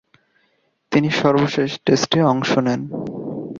তিনি সর্বশেষ টেস্টে অংশ নেন।